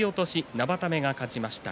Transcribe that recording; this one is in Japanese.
生田目が勝ちました。